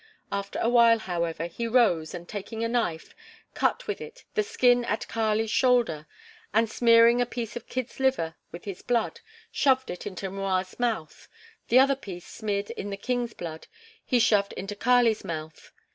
After a while, however, he rose and taking a knife, cut with it the skin at Kali's shoulder and smearing a piece of kid's liver with his blood, shoved it into M'Rua's mouth; the other piece smeared in the king's blood he shoved into Kali's mouth.